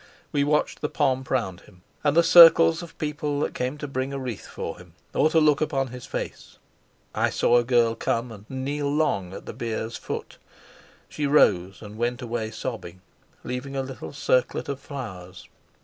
We watched the pomp round him, and the circles of people that came to bring a wreath for him or to look upon his face. I saw a girl come and kneel long at the bier's foot. She rose and went away sobbing, leaving a little circlet of flowers.